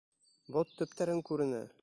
Бот төптәрең күренә!